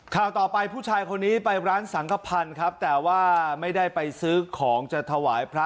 ข่าวต่อไปผู้ชายคนนี้ไปร้านสังขพันธ์ครับแต่ว่าไม่ได้ไปซื้อของจะถวายพระ